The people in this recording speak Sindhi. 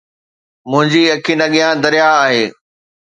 منهنجي اکين اڳيان درياهه آهي